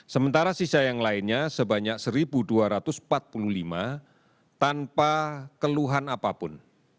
sementara sisa yang lainnya sebanyak satu dua ratus empat puluh lima tanpa keluhan apapun